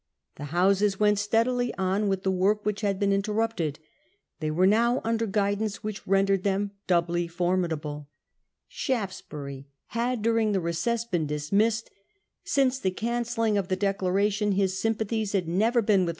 The Houses went steadily on with the work which had been interrupted. They were now under guidance which rendered them doubly Shaftesbury formidable. Shaftesbury had during the recess JkmUsai; been dismissed. Since the cancelling of the ward in Declaration his sympathies had never been opposition.